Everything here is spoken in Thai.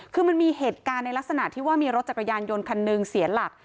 คือมันมีเหตุการณ์ในลักษณะที่ว่ามีรถจักรยานยนต์คันหนึ่งเสียหลัก